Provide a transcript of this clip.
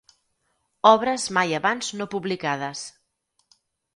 Obres mai abans no publicades.